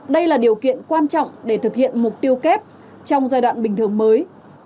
đây là điều kiện quan trọng để thực hiện mục tiêu kép trong giai đoạn bình thường mới